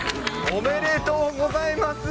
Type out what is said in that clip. おめでとうございます。